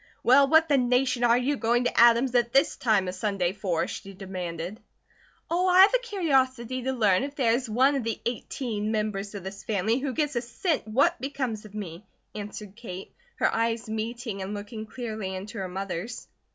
"Well, what the nation are you going to Adam's at this time a Sunday for?" she demanded. "Oh, I have a curiosity to learn if there is one of the eighteen members of this family who gives a cent what becomes of me!" answered Kate, her eyes meeting and looking clearly into her mother's.